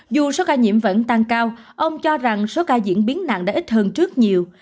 dù số ca nhiễm vẫn tăng cao ông cho rằng số ca diễn biến nặng đã ít hơn trước nhiều